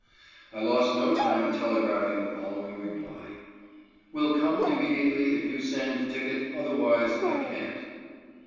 I lost no time in telegraphing the following reply: "Will come immediately if you send ticket; otherwise I can't."